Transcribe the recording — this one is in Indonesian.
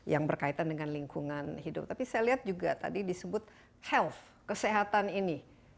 yang berkaitan dengan lingkungan hidup tapi saya lihat juga tadi disebut health kesehatan ini